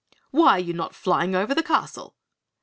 "Why are you not flying over the castle?"